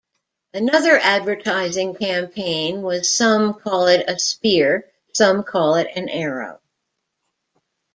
Another advertising campaign was some call it a spear, some call it an arrow.